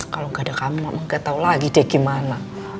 kalau gak ada kamu mama gak tau lagi deh gimana